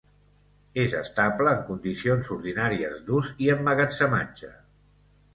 És estable en condicions ordinàries d'ús i emmagatzematge.